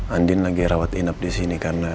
andin lagi rawat inap disini karena